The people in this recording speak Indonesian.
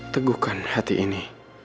teguhkan hati ini